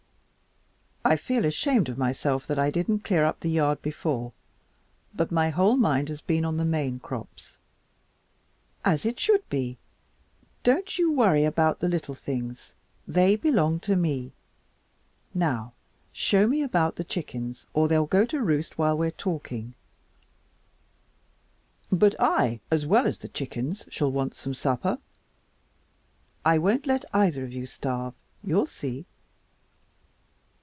I feel ashamed of myself that I didn't clear up the yard before, but my whole mind's been on the main crops." "As it should be. Don't you worry about the little things. They belong to me. Now show me about the chickens, or they'll go to roost while we're talking." "But I, as well as the chickens, shall want some supper." "I won't let either of you starve. You'll see."